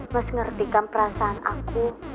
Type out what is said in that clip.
mas ngertikan perasaan aku